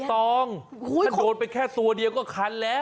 ต้องถ้าโดนไปแค่ตัวเดียวก็คันแล้ว